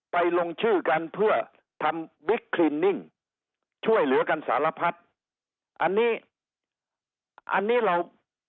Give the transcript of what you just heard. ไปลงชื่อกันเพื่อทำช่วยเหลือกันสารพัฒน์อันนี้อันนี้เรา